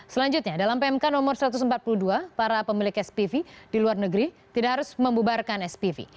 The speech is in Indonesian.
selanjutnya dalam pmk no satu ratus empat puluh dua para pemilik spv di luar negeri tidak harus membubarkan spv